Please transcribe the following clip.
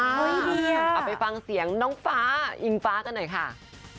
เอาไปฟังเสียงน้องฟ้าอิงฟ้ากันหน่อยค่ะ